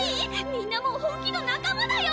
みんなもう本気の仲間だよ！